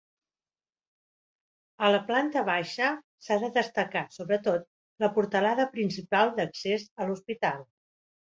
A la planta baixa, s'ha de destacar, sobretot, la portalada principal d'accés a l'hospital.